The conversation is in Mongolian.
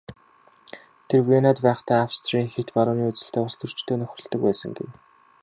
Тэр Венад байхдаа Австрийн хэт барууны үзэлтэй улстөрчтэй нөхөрлөдөг байсан гэнэ.